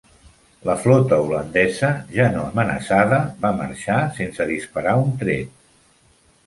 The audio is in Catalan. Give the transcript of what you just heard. La flota holandesa, ja no amenaçat, va marxar sense disparar un tir.